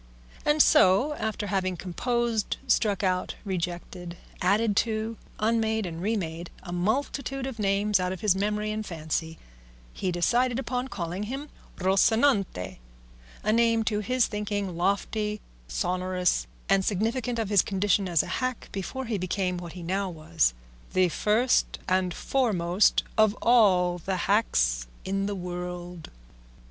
And so, after having composed, struck out, rejected, added to, unmade, and remade a multitude of names out of his memory and fancy, he decided upon calling him Rocinante, a name, to his thinking, lofty, sonorous, and significant of his condition as a hack before he became what he now was, the first and foremost of all the hacks in the world.